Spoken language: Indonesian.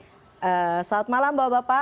selamat malam bapak bapak